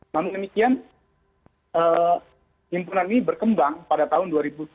namun demikian himpunan ini berkembang pada tahun dua ribu tujuh belas